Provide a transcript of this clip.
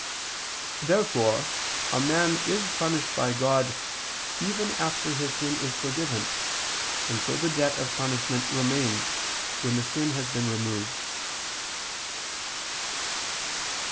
Therefore a man is punished by God even after his sin is forgiven: and so the debt of punishment remains, when the sin has been removed.